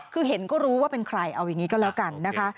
คือเห็นก็รู้ว่าเป็นใครเอาอย่างนี้ก็แล้วกันนะคะ